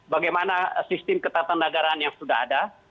bagaimana sistem ketatanegaraan yang sudah ada